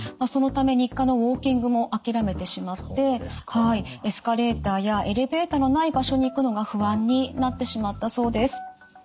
そのため日課のウォーキングも諦めてしまってエスカレーターやエレベーターのない場所に行くのが不安になってしまったそうです。